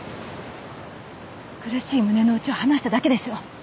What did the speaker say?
苦しい胸の内を話しただけでしょ？